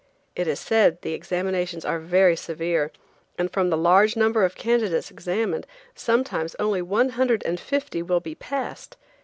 It is said the examinations are very severe, and from the large number of candidates examined, sometimes only one hundred and fifty will be passed.